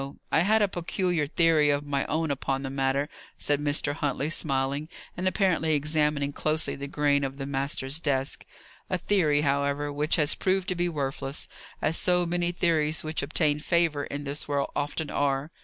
I had a peculiar theory of my own upon the matter," said Mr. Huntley, smiling, and apparently examining closely the grain of the master's desk. "A theory, however, which has proved to be worthless; as so many theories which obtain favour in this world often are.